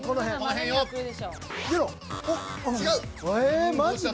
ええマジで？